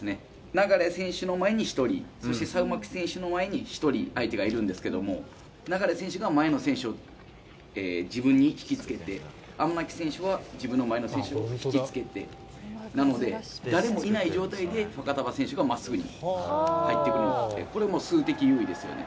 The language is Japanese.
流選手の前に１人、そしてサウマキ選手の前に１人、相手がいるんですけれども、流選手が前の選手を自分に引き付けて、アマナキ選手は自分の前の選手を引き付けて、なので、誰もいない状態で、ファカタヴァ選手がまっすぐ入ってくるので、これはもう数的優位ですよね。